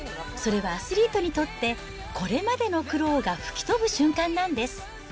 それはアスリートにとって、これまでの苦労が吹き飛ぶ瞬間なんです。